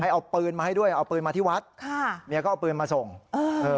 เอาปืนมาให้ด้วยเอาปืนมาที่วัดค่ะเมียก็เอาปืนมาส่งเออเออ